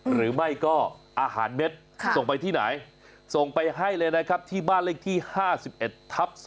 หรือไม่ก็อาหารเม็ดส่งไปที่ไหนส่งไปให้เลยนะครับที่บ้านเลขที่๕๑ทับ๒